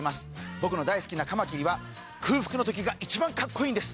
僕の大好きなカマキリは空腹の時が一番かっこいいんです。